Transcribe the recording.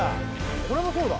これもそうだ。